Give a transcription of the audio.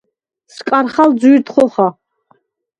სკარხალ ძუ̂ირდ ხოხა.